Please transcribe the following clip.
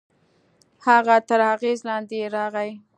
هغه تر اغېز لاندې يې راغی.